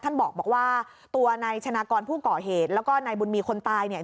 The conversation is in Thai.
ท่านบอกว่าตัวนายชนะกรผู้ก่อเหตุแล้วก็นายบุญมีคนตายเนี่ย